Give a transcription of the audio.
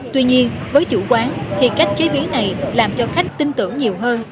tuy nhiên với chủ quán thì cách chế biến này làm cho khách tin tưởng nhiều hơn